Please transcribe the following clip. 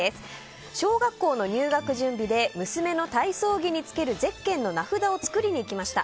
小学校の入学準備で娘の体操着に着けるゼッケンの名札を作りにいきました。